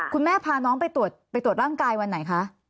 พาน้องไปตรวจร่างกายวันไหนคะ